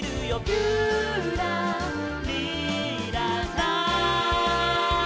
「ぴゅらりらら」